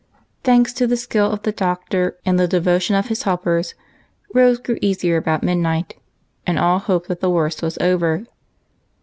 Thanks to the skill of the Doctor, and the devotion of his helpers, Rose grew easier about midnight, and all hoped that the worst was over.